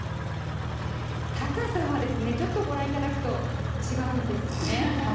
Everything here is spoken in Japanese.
高さはちょっとご覧いただくと、違うんですね。